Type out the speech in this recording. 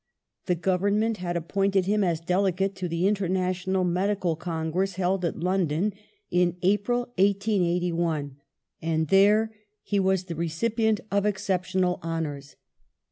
The government had appointed him as delegate to the International Medical Congress held at London in April, 1881; and there he was the recipient of exceptional hon ours.